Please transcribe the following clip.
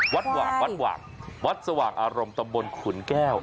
วัดหวากวัดสว่างอารมณ์ตำบลขุนแก้ว